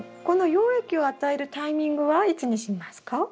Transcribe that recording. この養液を与えるタイミングはいつにしますか？